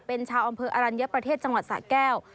เป็นชาวอำเภออรัญญประเทศจังหวัดสะแก้ว